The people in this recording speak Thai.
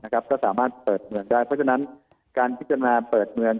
ก็สามารถเปิดเมืองได้เพราะฉะนั้นการพิจารณาเปิดเมือง